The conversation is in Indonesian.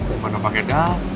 bagaimana pakai daster